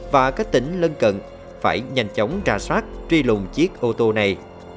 và các tỉnh lân cận phải nhanh chóng ra soát truy lùng chiếc ô tô này